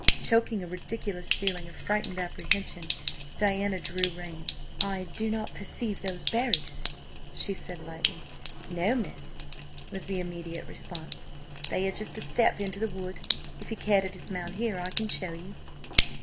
Choking a ridiculous feeling of frightened apprehension, Diana drew rein. "I do not perceive those berries!" she said lightly. "No, miss," was the immediate response. "They are just a step into the wood. If you care to dismount here I can show you."